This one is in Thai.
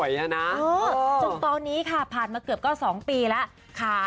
จนตอนนี้ค่ะผ่านมาเกือบก็๒ปีแล้ว